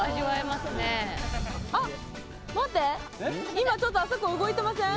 今ちょっとあそこ動いてません？